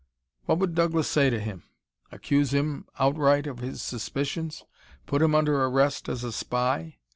What would Douglas say to him? Accuse him outright of his suspicions? Put him under arrest as a spy?